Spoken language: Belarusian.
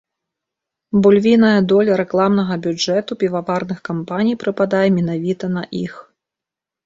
Бо львіная доля рэкламнага бюджэту піваварных кампаній прыпадае менавіта на іх.